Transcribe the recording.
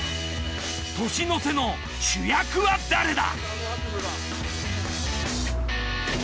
年の瀬の主役は誰だ？